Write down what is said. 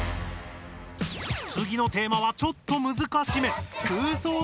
つぎのテーマはちょっとむずかしめ。